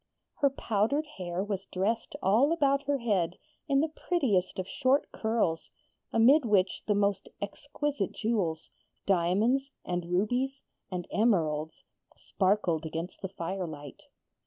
Her powdered hair was dressed all about her head in the prettiest of short curls, amid which the most exquisite jewels diamonds, and rubies, and emeralds sparkled against the firelight.